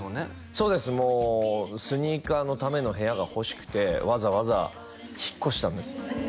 そうですもうスニーカーのための部屋が欲しくてわざわざ引っ越したんです